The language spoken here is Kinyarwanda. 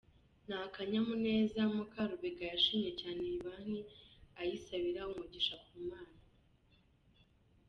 N’akanyamuneza, Mukarubega yashimye cyane iyi Banki ayisabira umugisha ku Mana.